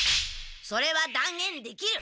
それはだん言できる！